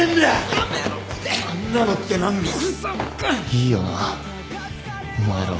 いいよなお前らは。